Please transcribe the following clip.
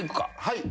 はい。